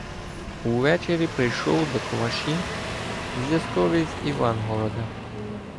Увечері прийшов до Кваші зв'язковий з Івангорода.